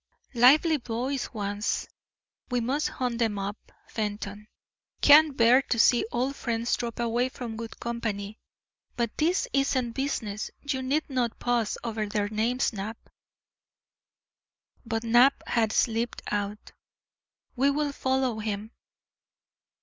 "Lively boys once. We must hunt them up, Fenton. Can't bear to see old friends drop away from good company. But this isn't business. You need not pause over their names, Knapp." But Knapp had slipped out. We will follow him.